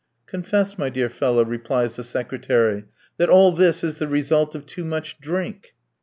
"Confess, my dear fellow," replies the secretary, "that all this is the result of too much drink."